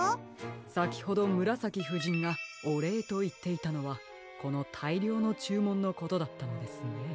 さきほどむらさきふじんがおれいといっていたのはこのたいりょうのちゅうもんのことだったのですね。